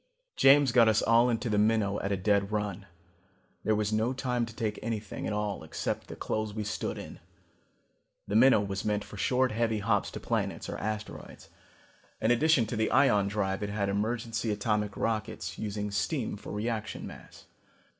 "James got us all into the Minnow at a dead run. There was no time to take anything at all except the clothes we stood in. The Minnow was meant for short heavy hops to planets or asteroids. In addition to the ion drive it had emergency atomic rockets, using steam for reaction mass.